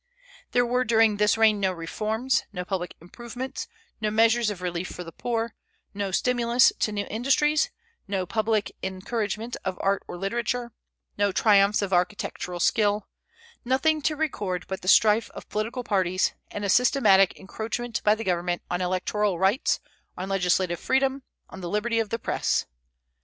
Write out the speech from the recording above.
There were during this reign no reforms, no public improvements, no measures of relief for the poor, no stimulus to new industries, no public encouragement of art or literature, no triumphs of architectural skill; nothing to record but the strife of political parties, and a systematic encroachment by the government on electoral rights, on legislative freedom, on the liberty of the Press.